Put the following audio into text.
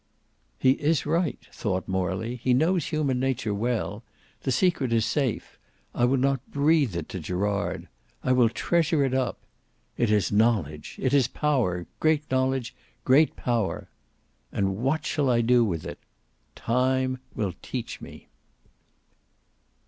"He is right," thought Morley; "he knows human nature well. The secret is safe. I will not breathe it to Gerard. I will treasure it up. It is knowledge; it is power: great knowledge, great power. And what shall I do with it? Time will teach me."